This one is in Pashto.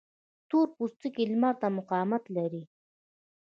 تور پوستکی لمر ته مقاومت لري